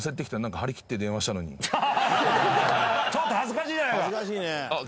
ちょっと恥ずかしいじゃないか！